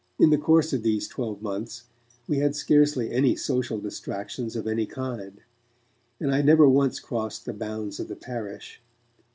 In the course of these twelve months, we had scarcely any social distractions of any kind, and I never once crossed the bounds of the parish.